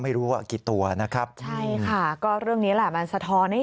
ไม่รู้ว่ากี่ตัวนะครับใช่ค่ะก็เรื่องนี้แหละมันสะท้อนให้